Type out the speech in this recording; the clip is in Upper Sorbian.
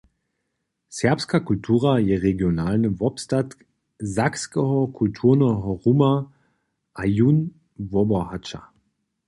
Serbska kultura je regionalny wobstatk sakskeho kulturneho ruma a jón wobohaća.